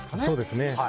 そうですね。